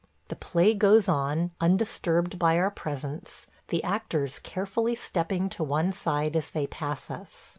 The play goes on, undisturbed by our presence, the actors carefully stepping to one side as they pass us.